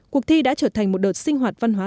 cuộc thi đã trở thành một đợt sinh hoạt văn hóa